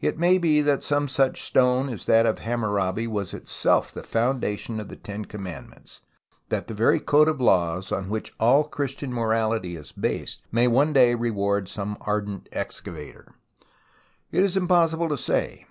It may be that some such stone as that of Hammurabi was itself the foundation of the Ten Commandments, that the very code of laws on which all Christian morality is based may one day reward some ardent excavator. It is impossible to say.